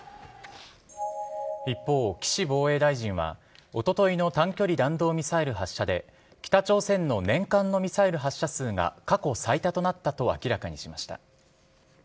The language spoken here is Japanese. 一方、岸防衛大臣は、おとといの短距離弾道ミサイル発射で、北朝鮮の年間のミサイル発射数が過去最多となったと明らかにしました。